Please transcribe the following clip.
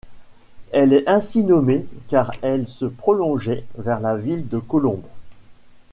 Elle est ainsi nommée car elle se prolongeait vers la ville de Colombes.